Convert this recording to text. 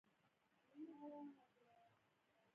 ویرات کهولي د هند مشهوره لوبغاړی دئ.